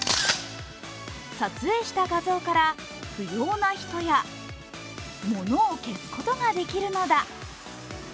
撮影した画像から、不要な人や物を消すことができるのだ。